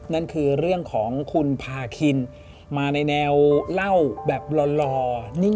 นั่นคือเรื่องของคุณพาคินมาในแนวเล่าแบบหล่อนิ่ง